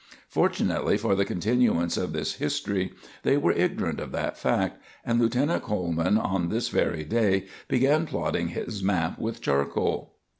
Fortunately for the continuance of this history, they were ignorant of that fact, and Lieutenant Coleman on this very day began plotting his map with charcoal.